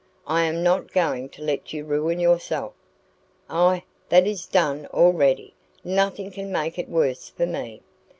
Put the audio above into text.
I am not going to let you ruin yourself." "Ah, that is done already! Nothing can make it worse for me."